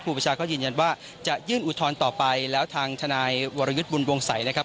ประชาก็ยืนยันว่าจะยื่นอุทธรณ์ต่อไปแล้วทางทนายวรยุทธ์บุญวงศัยนะครับ